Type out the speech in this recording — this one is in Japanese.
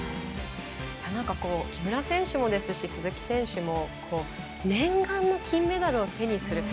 木村選手もですし鈴木選手も念願の金メダルを手にする。